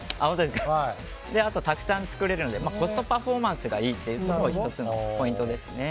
あと、たくさん作れるのでコストパフォーマンスがいいというのも１つのポイントですね。